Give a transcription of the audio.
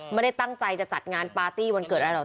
ไม่ได้ตั้งใจจะจัดงานปาร์ตี้วันเกิดอะไรหรอก